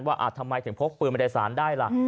ว่าทำไมถึงพกปืนมาโดยสารได้ล่ะ